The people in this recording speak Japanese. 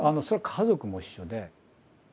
それは家族も一緒で。